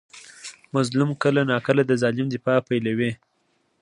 مظلوم کله ناکله د ظالم دفاع پیلوي.